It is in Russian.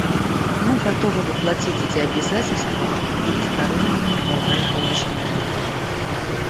Мы готовы воплотить эти обязательства в многосторонние правовые положения.